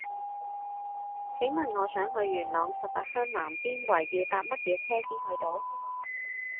請問我想去元朗十八鄉南邊圍要搭乜嘢車先去到